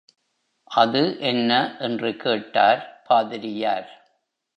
அது என்ன? என்று கேட்டார் பாதிரியார்.